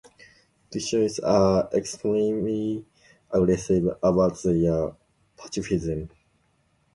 Bishnois are extremely aggressive about their pacifism.